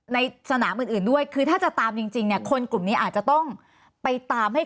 ในสนามอื่นด้วยคือถ้าจะตามจริงเนี่ยคนกลุ่มนี้อาจจะต้องไปตามให้